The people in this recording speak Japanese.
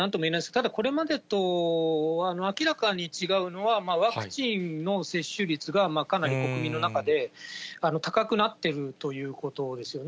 ただこれまでと明らかに違うのは、ワクチンの接種率がかなり国民の中で高くなっているということですよね。